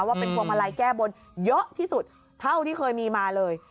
ว่าเป็นพวงมาลัยแก้บนเยอะที่สุดเท่าที่เคยมีมาเลย